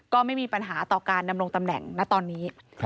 ก็ไม่มีปัญหาต่อการดำรงตำแหน่งณตอนนี้